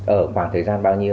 ở khoảng thời gian bao nhiêu